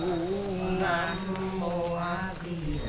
nam mô a di đạo phật